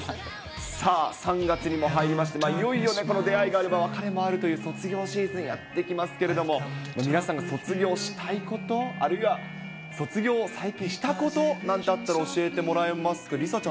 さあ、３月にも入りまして、いよいよ出会いがあれば別れもあるという卒業シーズン、やって来ますけれども、皆さんが卒業したいこと、あるいは卒業、最近したことなんてあったら、教えてもらえますか？